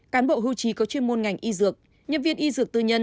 cán bộ hưu trí có chuyên môn ngành y dược nhân viên y dược tư nhân